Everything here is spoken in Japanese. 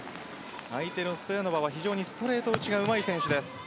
相手のストヤノバは非常にストレート打ちがうまい選手です。